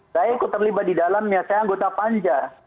saya ikut terlibat di dalamnya saya anggota panja